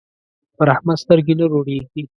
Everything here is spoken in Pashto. پر احمد سترګې نه روڼېږي.